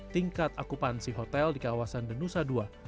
tingkat akupansi hotel di kawasan denusa dua